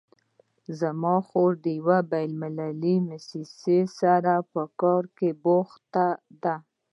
زما خور د یوې بین المللي مؤسسې سره په کار بوخته ده